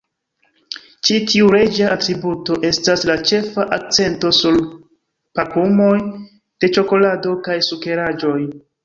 Ĉi tiu reĝa atributo estas la ĉefa akcento sur pakumoj de ĉokolado kaj sukeraĵoj.